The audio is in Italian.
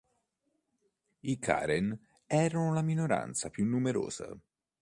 I karen erano la minoranza più numerosa.